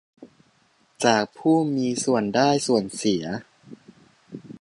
จากผู้มีส่วนได้ส่วนเสีย